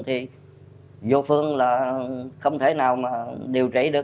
thì vô phương là không thể nào mà điều trị được